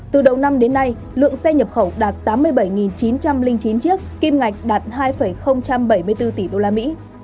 từ đầu năm đến nay lượng xe nhập khẩu đạt tám mươi bảy chín trăm linh chín chiếc kim ngạch đạt hai bảy mươi bốn tỷ usd